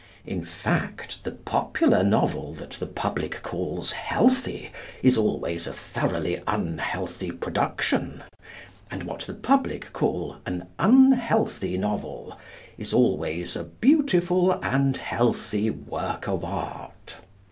In fact, the popular novel that the public calls healthy is always a thoroughly unhealthy production; and what the public call an unhealthy novel is always a beautiful and healthy work of art.